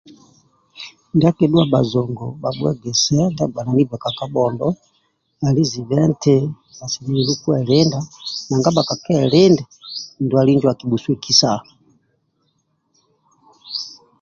Ndia akidhu bhazongo bhabhuegesebe ndia gbananibe ka ka kabhondo ali zibe eti bhasemelelu kwelinda nanga bhakakelinde ndwali injo akibhuswekisa